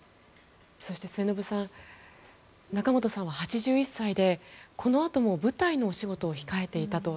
そして、末延さん仲本さんは８１歳でこのあとも舞台のお仕事を控えていたと。